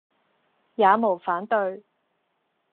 也無反對，